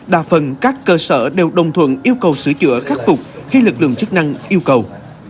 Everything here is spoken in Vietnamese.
đa phần các cơ sở đều đồng thuận yêu cầu sửa chữa khắc phục khi lực lượng chức năng yêu cầu